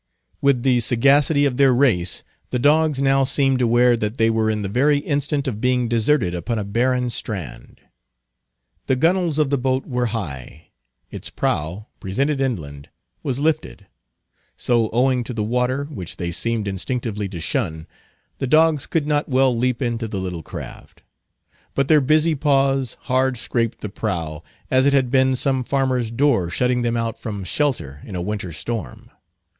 With the sagacity of their race, the dogs now seemed aware that they were in the very instant of being deserted upon a barren strand. The gunwales of the boat were high; its prow—presented inland—was lifted; so owing to the water, which they seemed instinctively to shun, the dogs could not well leap into the little craft. But their busy paws hard scraped the prow, as it had been some farmer's door shutting them out from shelter in a winter storm.